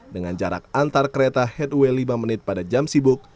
dengan jarak antar kereta headway lima menit pada jam sibuk